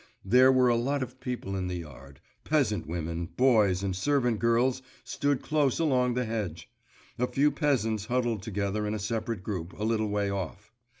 There were a lot of people in the yard; peasant women, boys, and servant girls stood close along the hedge. A few peasants huddled together in a separate group, a little way off.